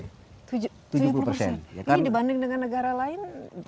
ini dibanding dengan negara lain